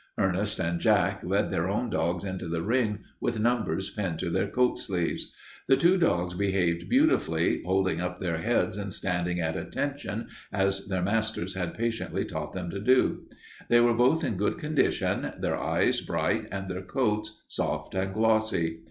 Ernest and Jack led their own dogs into the ring, with numbers pinned to their coat sleeves. The two dogs behaved beautifully, holding up their heads and standing at attention, as their masters had patiently taught them to do. They were both in good condition, their eyes bright and their coats soft and glossy.